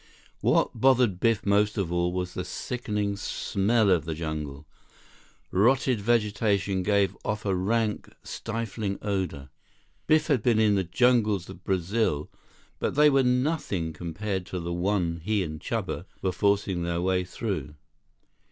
What bothered Biff most of all was the sickening smell of the jungle. Rotted vegetation gave off a rank, stifling odor. Biff had been in the jungles of Brazil, but they were nothing compared to the one he and Chuba were forcing their way through.